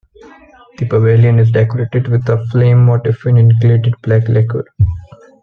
The pavilion is decorated with a flame motif in gilded black lacquer.